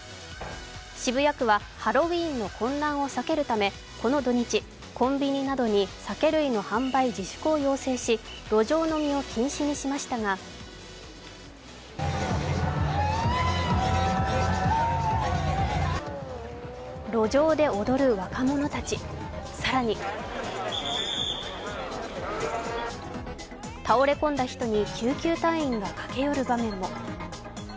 渋谷区はハロウィーンの混乱を避けるため、この土日、コンビニなどに酒類の販売自粛を要請し路上飲みを禁止にしましたが路上で踊る若者たち、さらに倒れ込んだ人に救急隊員が駆け寄る場面も。